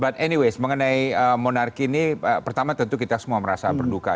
but anyways mengenai monarki ini pertama tentu kita semua merasa berduka